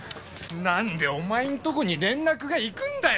なんでお前のところに連絡が行くんだよっ